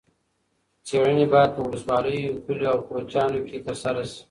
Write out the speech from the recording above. څېړنې باید په ولسوالیو، کلیو او کوچیانو کې ترسره شي.